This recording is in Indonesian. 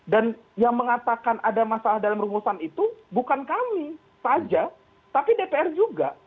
dan yang mengatakan ada masalah dalam rumusan itu bukan kami saja tapi dpr juga